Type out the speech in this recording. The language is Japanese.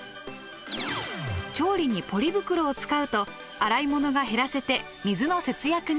調理にポリ袋を使うと洗い物が減らせて水の節約に。